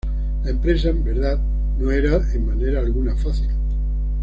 La empresa, en verdad, no era en manera alguna fácil.